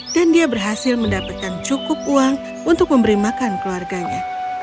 dan dia berhasil mendapatkan cukup uang untuk memberi makan keluarganya